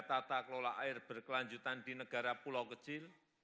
tata kelola air berkelanjutan di negara pulau kecil